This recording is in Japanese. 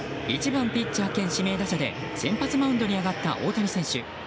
１番ピッチャー兼指名打者で先発マウンドに上がった大谷選手。